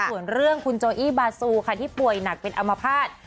ส่วนเรื่องคุณโจอี้บาซูค่ะที่ป่วยหนักเป็นอมภาษณ์